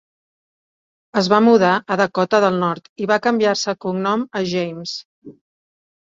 Es va mudar a Dakota del Nord i va canviar-se el cognom a James.